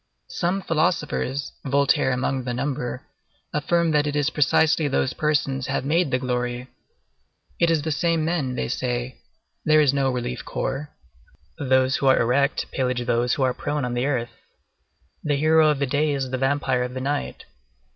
Some philosophers—Voltaire among the number—affirm that it is precisely those persons who have made the glory. It is the same men, they say; there is no relief corps; those who are erect pillage those who are prone on the earth. The hero of the day is the vampire of the night.